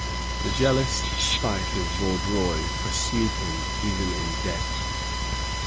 The jealous spite of Vaudreuil pursued him even in death.